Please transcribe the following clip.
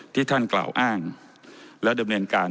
ที่ท่านกล่าวอ้างและดำเนินการ